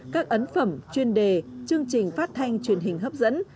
các ấn phẩm chuyên đề chương trình phát thanh truyền hình hấp dẫn